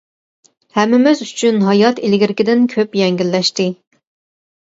ھەممىمىز ئۈچۈن ھايات ئىلگىرىكىدىن كۆپ يەڭگىللەشتى.